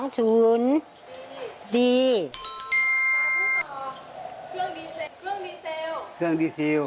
เครื่องดีเซลล์เครื่องดีเซลล์